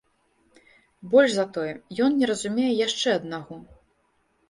Больш за тое, ён не разумее яшчэ аднаго.